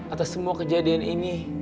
atas semua kejadian ini